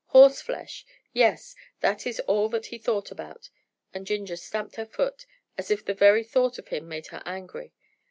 'Horse flesh!' Yes, that is all that he thought about," and Ginger stamped her foot as if the very thought of him made her angry.